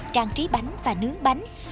trang trí bánh và nướng bánh